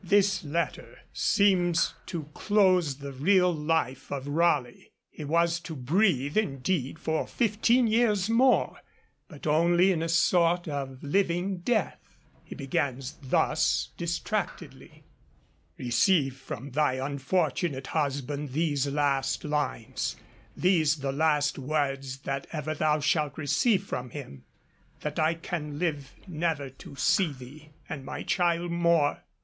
This letter seems to close the real life of Raleigh. He was to breathe, indeed, for fifteen years more, but only in a sort of living death. He begins thus distractedly: Receive from thy unfortunate husband these his last lines: these the last words that ever thou shalt receive from him. That I can live never to see thee and my child more!